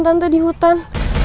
tante di hutan